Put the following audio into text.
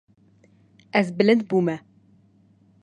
Ez bilind bûme.